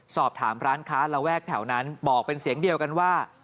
สอบถามร้านค้าระแวกแถวนั้นบอกเป็นเสียงเดียวกันว่า